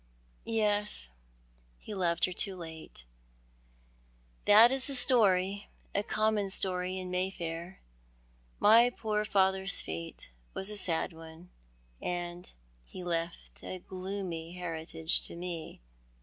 " Yes, he loved her too late. That is the story, a common story in Mayfair. My poor fathers fate was a sad one— and he left a glcomy heritage to me."